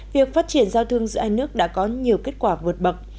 việc phát triển giao thương giữa hai nước đã có nhiều kết quả vượt bậc